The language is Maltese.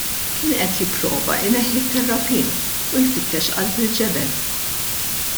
Kien qed jipprova jneħħi t-terrapien u jfittex qalb il-ġebel.